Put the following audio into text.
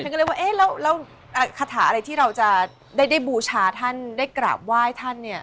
แฟนก็เลยว่าคาถาอะไรที่เราจะได้บูชาท่านได้กราบไหว้ท่าน